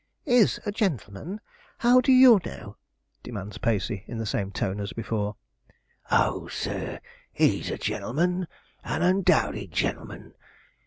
'Is a gentleman! How do you know?' demands Pacey, in the same tone as before. 'Oh, sir, he's a gen'l'man an undoubted gen'l'man.